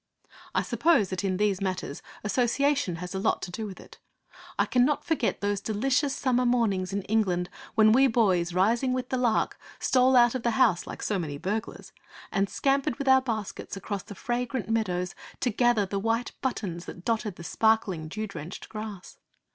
I suppose that in these matters association has a lot to do with it. I cannot forget those delicious summer mornings in England when we boys, rising with the lark, stole out of the house like so many burglars, and scampered with our baskets across the fragrant meadows to gather the white buttons that dotted the sparkling, dew drenched grass.